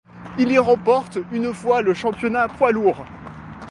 Il y remporte une fois le championnat poids lourd.